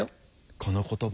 この言葉。